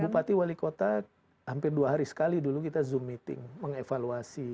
bupati wali kota hampir dua hari sekali dulu kita zoom meeting mengevaluasi